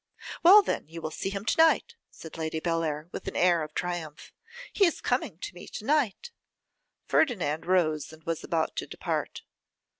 'Well, then, you will see him to night,' said Lady Bellair, with an air of triumph. 'He is coming to me to night.' Ferdinand rose, and was about to depart.